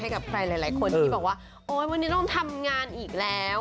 กับใครหลายคนที่บอกว่าโอ๊ยวันนี้ต้องทำงานอีกแล้ว